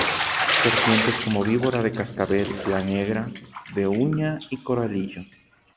Serpientes como víbora de cascabel, la negra, de uña y coralillo.